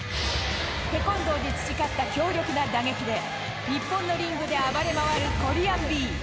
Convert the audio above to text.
テコンドーで培った強力な打撃で日本のリングで暴れまわるコリアンビー。